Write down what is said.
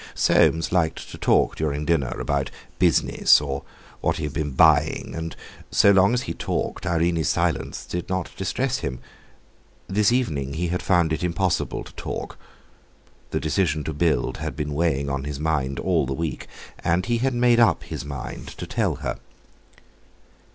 Soames liked to talk during dinner about business, or what he had been buying, and so long as he talked Irene's silence did not distress him. This evening he had found it impossible to talk. The decision to build had been weighing on his mind all the week, and he had made up his mind to tell her.